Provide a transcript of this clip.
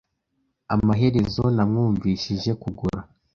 Amaherezo namwumvishije kugura.